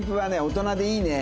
大人でいいね。